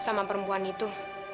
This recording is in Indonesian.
sama perempuan itu